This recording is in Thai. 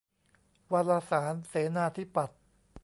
วารสารเสนาธิปัตย์